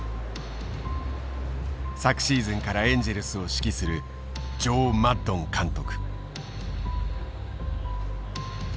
昨シーズンからエンジェルスを指揮するジョー・マッドン監督。